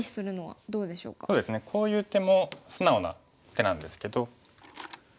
こういう手も素直な手なんですけど。